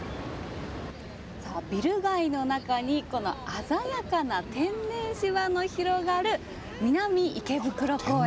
さあ、ビル街の中にこの鮮やかな天然芝の広がる南池袋公園。